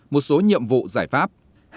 hai một số nhiệm vụ giải pháp